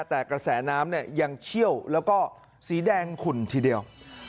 แต่กระแสน้ำเนี่ยยังเชี่ยวแล้วก็สีแดงขุ่นทีเดียว